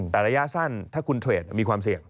แต่ระยะสั้นถ้าคุณเทรดมีความเสี่ยง